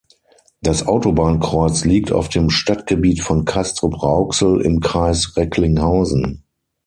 Das Autobahnkreuz liegt auf dem Stadtgebiet von Castrop-Rauxel im Kreis Recklinghausen.